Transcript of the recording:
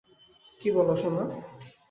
কী বলো, সোনা?